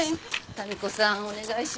民子さんお願いします。